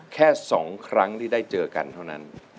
แค่๒ครั้งที่ได้เจอกันเท่านั้น